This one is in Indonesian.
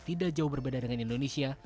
tidak jauh berbeda dengan indonesia